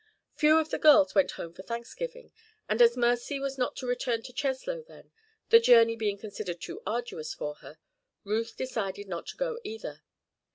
Few of the girls went home for Thanksgiving, and as Mercy was not to return to Cheslow then, the journey being considered too arduous for her, Ruth decided not to go either.